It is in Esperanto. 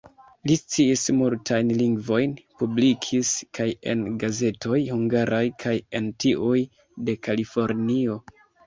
Li sciis multajn lingvojn, publikis kaj en gazetoj hungaraj kaj en tiuj de Kalifornio.